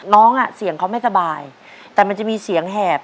น้องอ่ะเสียงเขาไม่สบายแต่มันจะมีเสียงแหบ